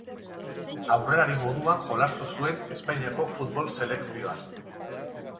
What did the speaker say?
Aurrelari moduan jolastu zuen Espainiako futbol selekzioan.